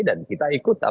dan kita ikut apa yang